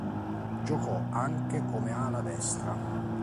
Giocò anche come ala destra.